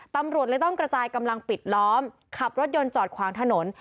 ตำรวจเลยต้องกระจายกำลังปิดล้อมขับรถยนต์จอดขวางถนน